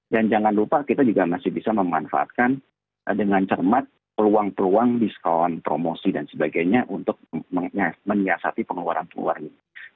dan jangan lupa kita juga masih bisa memanfaatkan dengan cermat peluang peluang diskon promosi dan sebagainya untuk menyiasati pengeluaran pengeluaran ini